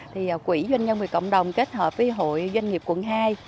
thì quỹ doanh nhân vì cộng đồng kết hợp với hội doanh nghiệp quận hai